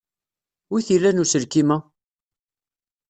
Wi t-ilan uselkim-a?